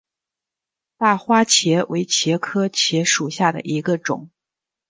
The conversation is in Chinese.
大花茄为茄科茄属下的一个种。